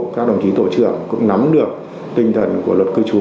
các đồng chí tổ trưởng cũng nắm được tinh thần của luật cư trú